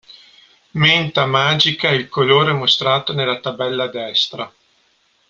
Menta magica è il colore mostrato nella tabella a destra.